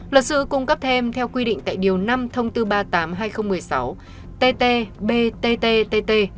luật sư cung cấp thêm theo quy định tại điều năm thông tư ba mươi tám hai nghìn một mươi sáu tt btttt